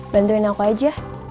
bantuin aku aja